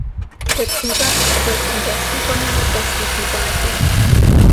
Der Zugang erfolgt am besten von der nordwestlichen Seite.